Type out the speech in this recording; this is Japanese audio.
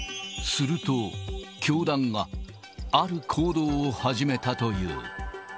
すると、教団がある行動を始めたという。